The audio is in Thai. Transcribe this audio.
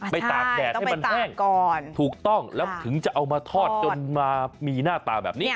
ไม่ตากแดดให้แห้งถูกต้องถึงจะเอามาทอดจนมีหน้าตาแบบนี้